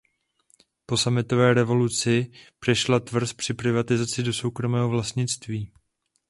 Po sametové revoluci přešla tvrz při privatizaci do soukromého vlastnictví.